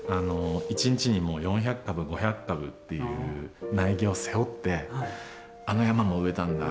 一日にもう４００株５００株っていう苗木を背負ってあの山も植えたんだ